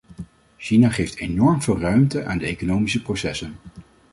China geeft enorm veel ruimte aan de economische processen.